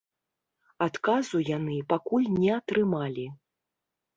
Адказу яны пакуль не атрымалі.